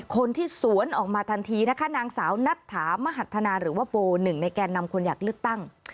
คนที่สวนออกมาทันทีนะคะนางสาวนัทถามหัฒนาหรือว่าโบหนึ่งในแกนนำคนอยากเลือกตั้ง